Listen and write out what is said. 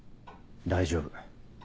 大丈夫。